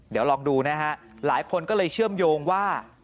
เดี๋ยวลองดูนะฮะหลายคนก็เลยเชื่อมโยงว่า